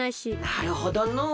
なるほどのう。